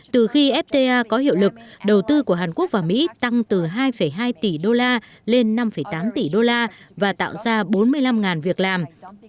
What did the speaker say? từ khi fta có hiệu lực đầu tư của hàn quốc và mỹ tăng từ hai hai tỷ đô la lên năm tám tỷ đô la và tạo ra bốn mươi năm việc làm